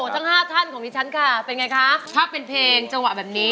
ทั้ง๕ท่านของของดิฉันค่ะเป็นอย่างไรคะชอบเสียงเพลงจังหวะแบบนี้